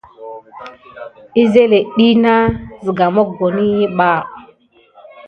Əzelet ɗiyi kidi sine nà vakunà nane aouta puluba.